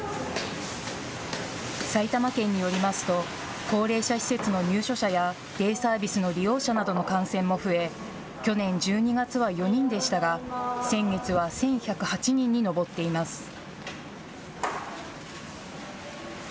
埼玉県によりますと高齢者施設の入所者やデイサービスの利用者などの感染も増え、去年１２月は４人でしたが先月は１１０８人に上っています。